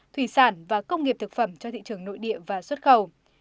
thủy sản và công nghiệp thực phẩm cho thị trường nội địa và xuất khẩu